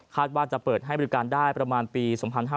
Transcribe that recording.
ว่าจะเปิดให้บริการได้ประมาณปี๒๕๕๙